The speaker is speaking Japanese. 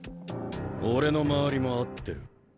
俺の周りも合ってる。